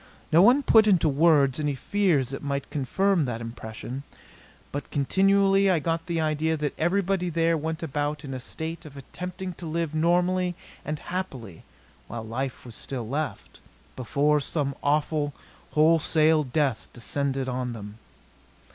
No one put into words any fears that might confirm that impression; but continually I got the idea that everybody there went about in a state of attempting to live normally and happily while life was still left before some awful, wholesale death descended on them.